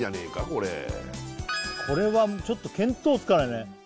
これこれはちょっと見当つかないよね